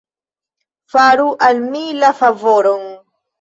Faru al mi la favoron.